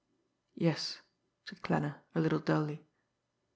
"Yes," said Klanner, a little dully.